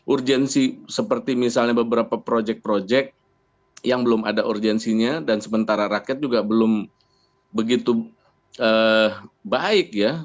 urgensi seperti misalnya beberapa projek projek yang belum ada urgensinya dan sementara rakyat juga belum begitu baik ya